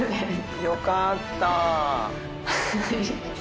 良かった。